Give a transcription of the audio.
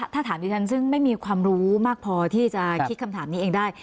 ถ้าถามดิฉันซึ่งไม่มีความรู้มากพอที่จะคิดคำถามนี้เองได้